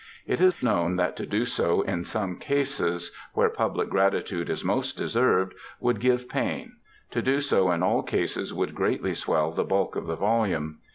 It is known that to do so in some cases where public gratitude is most deserved would give pain; to do so in all cases would greatly swell the bulk of the volume.